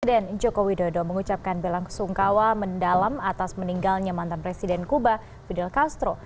presiden joko widodo mengucapkan belangsungkawa mendalam atas meninggalnya mantan presiden kuba fidel castro